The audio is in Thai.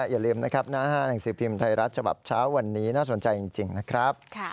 อย่าลืมนะครับหน้าหนังสือพิมพ์ไทยรัฐฉบับเช้าวันนี้น่าสนใจจริงนะครับ